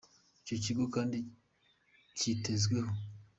Icyo kigo kandi cyitezweho.